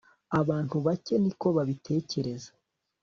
abantu bake ni ko babitekereza